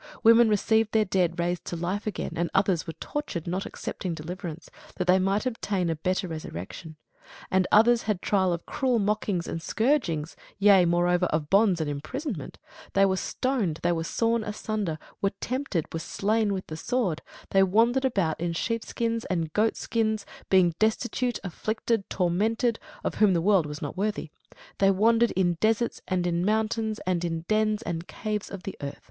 Women received their dead raised to life again: and others were tortured, not accepting deliverance; that they might obtain a better resurrection: and others had trial of cruel mockings and scourgings, yea, moreover of bonds and imprisonment: they were stoned, they were sawn asunder, were tempted, were slain with the sword: they wandered about in sheepskins and goatskins; being destitute, afflicted, tormented; (of whom the world was not worthy:) they wandered in deserts, and in mountains, and in dens and caves of the earth.